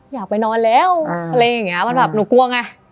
อยากไปนอนแล้วอะไรอย่างนี้มันแบบหนูกลัวไง